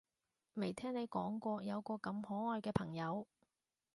未聽你講過有個咁可愛嘅朋友